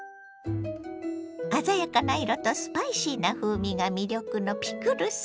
鮮やかな色とスパイシーな風味が魅力のピクルス。